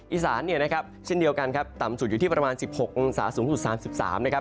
อีสานเช่นเดียวกันต่ำสุดอยู่ที่ประมาณ๑๖องศาสูงสุด๓๓องศา